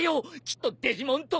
きっとデジモン特有の。